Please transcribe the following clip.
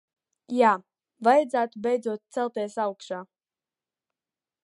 Jā, vajadzētu beidzot celties augšā.